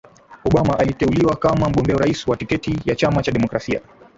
Obama aliteuliwa kama mgombea urais kwa tiketi ya chama cha Demokrasia